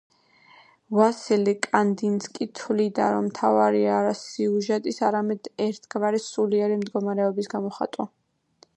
ვასილი კანდინსკი თვლიდა, რომ მთავარია არა სიუჟეტის, არამედ ერთგვარი სულიერი მდგომარეობის გამოხატვა.